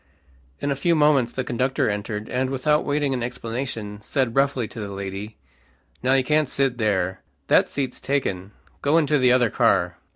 In a few moments the conductor entered, and without waiting an explanation, said roughly to the lady, "Now you can't sit there. That seat's taken. Go into the other car."